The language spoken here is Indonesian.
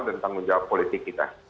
dan tanggung jawab politik kita